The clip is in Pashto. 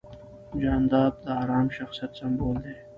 جانداد د ارام شخصیت سمبول دی.